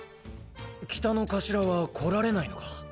北の頭はこられないのか？